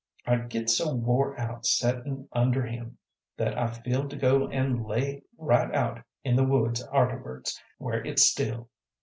I git so wore out settin' under him that I feel to go an' lay right out in the woods arterwards, where it's still.